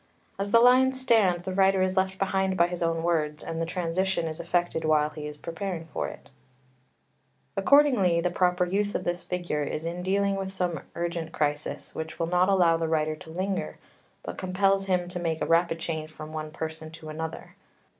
As the lines stand the writer is left behind by his own words, and the transition is effected while he is preparing for it. [Footnote 1: Il. xv. 346.] 2 Accordingly the proper use of this figure is in dealing with some urgent crisis which will not allow the writer to linger, but compels him to make a rapid change from one person to another.